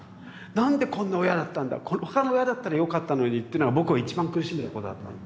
なんでこんな親だったんだ他の親だったらよかったのにっていうのが僕を一番苦しめたことだったので。